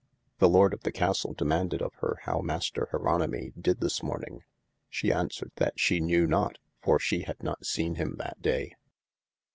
The Lord of the Castle demaunded of hir how master Jeronemy did this morning. She answered that she knew not for she had not sene him that day.